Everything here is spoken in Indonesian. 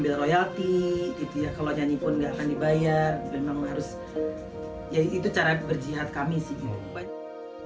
memang harus ya itu cara berjihad kami sih